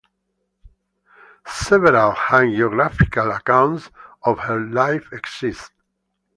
Several hagiographical accounts of her life exist.